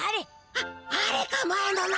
あっあれか前のな。